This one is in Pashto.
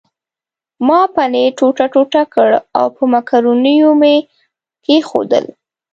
ما پنیر ټوټه ټوټه کړ او په مکرونیو مې کښېښود.